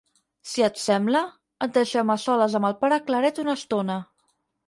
Si et sembla, et deixem a soles amb el pare Claret una estona.